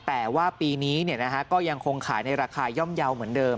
แต่ว่าปีนี้เนี่ยนะฮะก็ยังคงขายในราคาย่อมเยาเหมือนเดิม